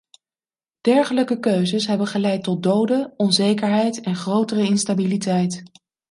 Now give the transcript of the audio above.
Dergelijke keuzes hebben geleid tot doden, onzekerheid en grotere instabiliteit.